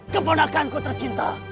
kemana kan ku tercinta